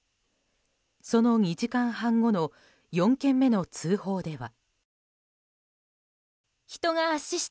その２時間半後の４件目の通報では。